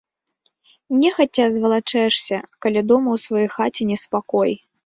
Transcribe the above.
Нехаця звалачэшся, калі дома ў сваёй хаце неспакой.